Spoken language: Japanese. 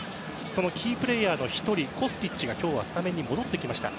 そのキープレーヤーの１人コスティッチが今日はスタメンに戻ってきました。